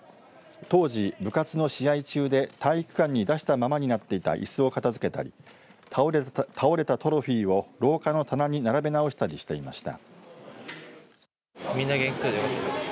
当時部活の試合中で体育館に出したままになっていたいすを片づけたり倒れたトロフィーを廊下の棚に並べ直したりしていました。